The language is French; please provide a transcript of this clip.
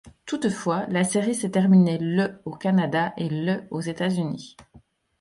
Toutefois, la série s'est terminée le au Canada et le aux États-Unis.